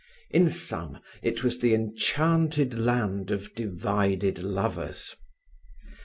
In sun it was the enchanted land of divided lovers.